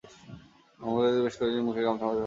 হামলাকারীদের বেশ কয়েকজনের মুখ গামছা দিয়ে বাঁধা ছিল।